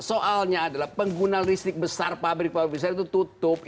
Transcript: soalnya adalah pengguna listrik besar pabrik pabrik besar itu tutup